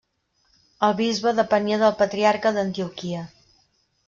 El bisbe depenia del patriarca d'Antioquia.